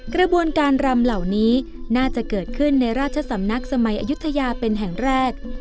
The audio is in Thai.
กระบวนการรำเหล่านี้น่าจะเกิดขึ้นในราชสำนักสมัยอายุทยาเป็นแห่งแรก